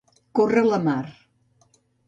Córrer la mar.